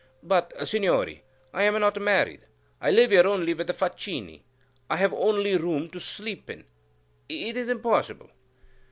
"But, Signori, I am not married. I live here only with the facchini. I have only one room to sleep in. It is impossible!"